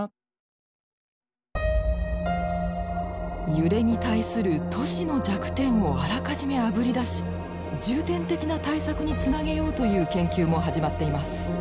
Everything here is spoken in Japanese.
揺れに対する都市の弱点をあらかじめあぶり出し重点的な対策につなげようという研究も始まっています。